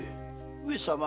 上様